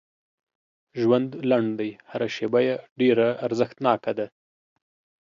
ژوند لنډ دی هر شیبه یې ډېره ارزښتناکه ده